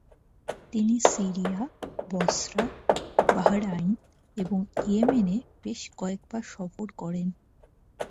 তিনি Syria, Basra, Bahrain এবং ইয়েমেনে বেশ কয়েকবার সফর করেন।